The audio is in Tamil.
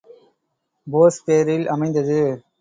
போஸ் பெயரில் அமைந்தது.